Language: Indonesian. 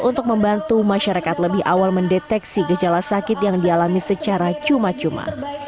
untuk membantu masyarakat lebih awal mendeteksi gejala sakit yang dialami secara cuma cuma